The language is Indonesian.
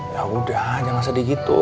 yaudah jangan sedih gitu